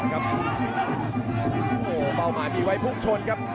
ครับโอ้เปล่าหมายมีไว้พวกชนครับ